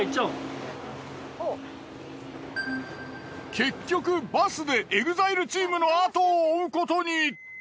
結局バスでＥＸＩＬＥチームのあとを追うことに。